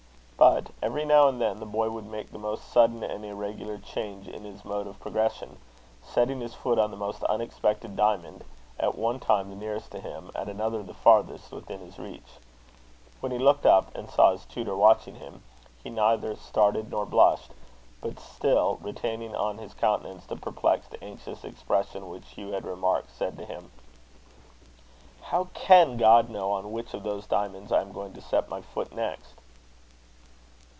But, every now and then, the boy would make the most sudden and irregular change in his mode of progression, setting his foot on the most unexpected diamond, at one time the nearest to him, at another the farthest within his reach. When he looked up, and saw his tutor watching him, he neither started nor blushed: but, still retaining on his countenance the perplexed, anxious expression which Hugh had remarked, said to him: "How can God know on which of those diamonds I am going to set my foot next?"